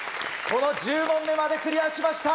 この１０問目までクリアしました